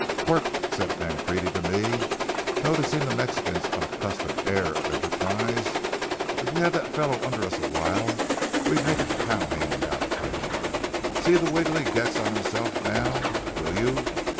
"Quirk," said Nancrede to me, noticing the Mexican's unaccustomed air of enterprise, "if we had that fellow under us awhile we'd make a cow hand out of him. See the wiggle he gets on himself now, will you?"